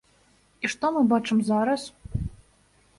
І што мы бачым зараз?